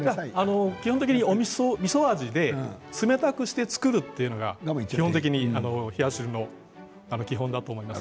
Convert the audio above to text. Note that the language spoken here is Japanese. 基本的に、みそ味で冷たくして作るというのが基本的に冷や汁の基本だと思います。